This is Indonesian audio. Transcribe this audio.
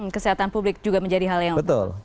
kesehatan publik juga menjadi hal yang